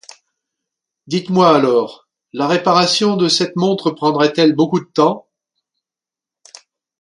Dites-moi alors, la réparation de cette montre prendrait-elle beaucoup de temps ?